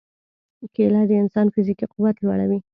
کېله د انسان فزیکي قوت لوړوي.